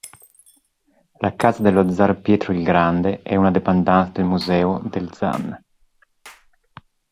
La Casa dello Zar Pietro il Grande è una dépendance del Museo dello Zaan.